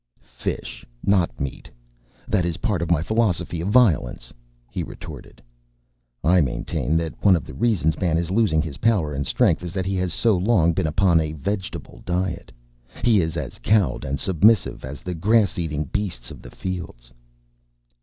"Fish, not meat. That is part of my Philosophy of Violence," he retorted. "I maintain that one of the reasons man is losing his power and strength is that he has so long been upon a vegetable diet. He is as cowed and submissive as the grass eating beast of the fields."